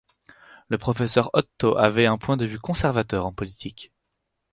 Le professeur Otto avait un point de vue conservateur en politique.